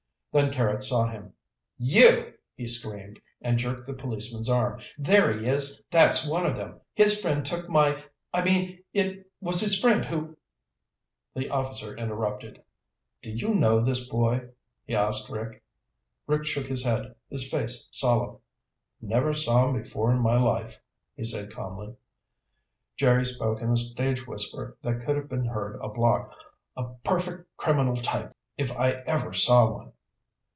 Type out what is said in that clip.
Then Carrots saw him. "You!" he screamed and jerked the policeman's arm. "There he is! That's one of them. His friend took my I mean it was his friend who " The officer interrupted. "Do you know this boy?" he asked Rick. Rick shook his head, his face solemn. "Never saw him before in my life," he said calmly. Jerry spoke in a stage whisper that could have been heard a block. "A perfect criminal type if I ever saw one."